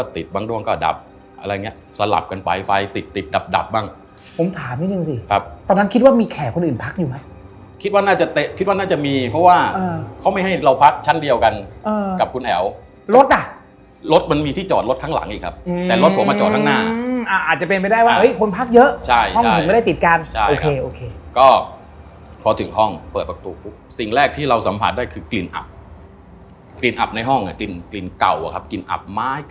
ตอนนั้นคิดว่ามีแขกคนอื่นพักอยู่ไหมคิดว่าน่าจะมีเพราะว่าเขาไม่ให้เราพักชั้นเดียวกันกับคุณแอ๋วรถอะรถมันมีที่จอดรถทางหลังอีกครับแต่รถผมจะจอดทางหน้าอาจจะเป็นไปได้ว่าคนพักเยอะห้องผมไม่ได้ติดกันก็พอถึงห้องเปิดประตูสิ่งแรกที่เราสัมผัสได้คือกลิ่นอับกลิ่นอับในห้องกลิ่นเก่าครับ